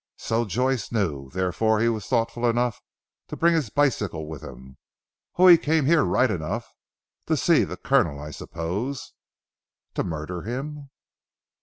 "So Joyce knew. Therefore he was thoughtful enough to bring his bicycle with him. Oh, he came here right enough to see the Colonel I suppose." "To murder him?"